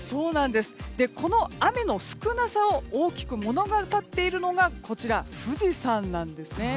この雨の少なさを大きく物語っているのが富士山なんですね。